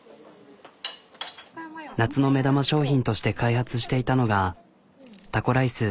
夏の目玉商品として開発していたのがタコライス。